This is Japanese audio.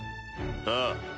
ああ。